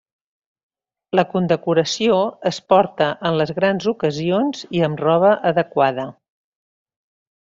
La condecoració es porta en les grans ocasions i amb roba adequada.